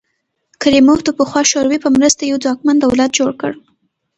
کریموف د پخوا شوروي په مرسته یو ځواکمن دولت جوړ کړ.